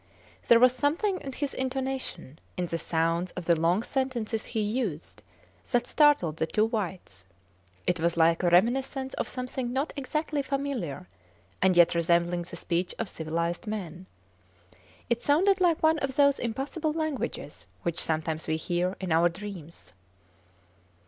There was something in his intonation, in the sounds of the long sentences he used, that startled the two whites. It was like a reminiscence of something not exactly familiar, and yet resembling the speech of civilized men. It sounded like one of those impossible languages which sometimes we hear in our dreams.